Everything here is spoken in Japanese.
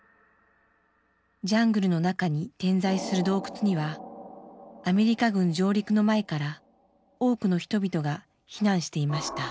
ジャングルの中に点在する洞窟にはアメリカ軍上陸の前から多くの人々が避難していました。